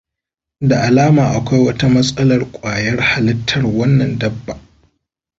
Da alama akwai wata matsalar ƙwayar halittar wannan dabba.